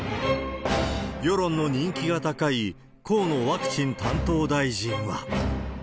世論の人気が高い河野ワクチン担当大臣は。